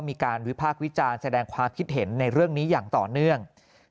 มีการวิพากษ์วิจารณ์แสดงความคิดเห็นในเรื่องนี้อย่างต่อเนื่อง